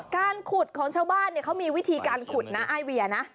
การขุดของชาวบ้านเขามีวิธีการขุดนะไอเวียนะ